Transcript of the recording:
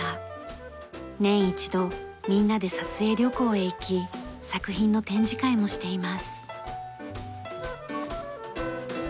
年一度みんなで撮影旅行へ行き作品の展示会もしています。